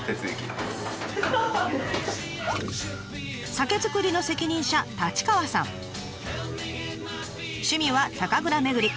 酒造りの責任者趣味は酒蔵めぐり。